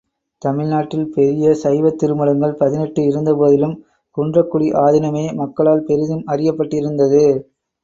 தமிழ்நாட்டில் பெரிய சைவத்திரு மடங்கள் பதினெட்டு இருந்த போதிலும் குன்றக்குடி ஆதீனமே மக்களால் பெரிதும் அறியப்பட்டிருந்தது.